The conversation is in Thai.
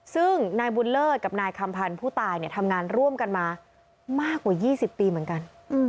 ซึ่งนายบุญเลิศกับนายคำพันธ์ผู้ตายทำงานร่วมกันมามากกว่า๒๐ปีเหมือนกัน